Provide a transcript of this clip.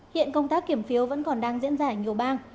hiện công tác kiểm phiếu vẫn còn đang diễn ra ở nhiều bang